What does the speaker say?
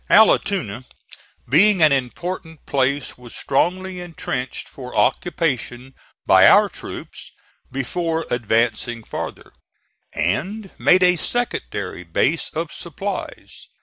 Allatoona, being an important place, was strongly intrenched for occupation by our troops before advancing farther, and made a secondary base of supplies.